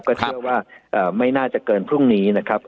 ก็เชื่อว่าไม่น่าจะเกินพรุ่งนี้นะครับ